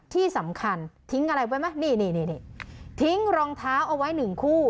ที่สำคัญทิ้งอะไรไว้ไหมนี่นี่ทิ้งรองเท้าเอาไว้หนึ่งคู่